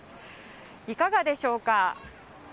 いかがでしょうか。